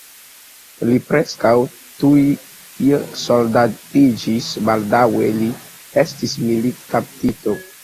Li preskaŭ tuj soldatiĝis, baldaŭe li estis militkaptito.